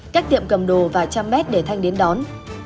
cách tiệm cầm đồ vài trăm mét để thanh đến đón